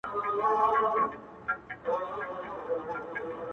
• درلېږل چي مي نظمونه هغه نه یم -